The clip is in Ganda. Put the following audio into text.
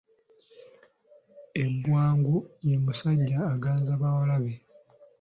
Embwagu ye musajja aganza bawalabe.